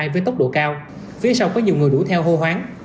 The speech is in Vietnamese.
với tốc độ cao phía sau có nhiều người đuổi theo hô hoáng